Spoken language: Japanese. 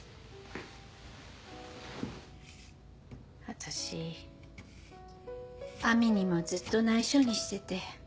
私亜美にもずっと内緒にしてて。